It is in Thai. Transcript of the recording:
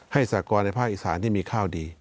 สากรในภาคอีสานที่มีข้าวดี